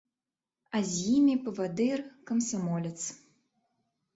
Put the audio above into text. А з імі павадыр, камсамолец.